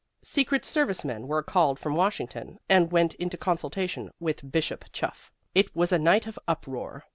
Secret service men were called from Washington, and went into consultation with Bishop Chuff. It was a night of uproar.